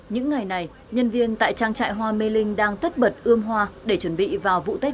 những ngày này nhân viên tại trang trại hoa mê linh đang tất bật ươm hoa để chuẩn bị vào vụ tết